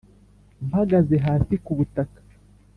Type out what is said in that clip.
mpagaze hasi ku butaka.